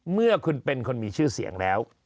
เมื่อคุณเป็นคนมีชื่อเสียงแล้ว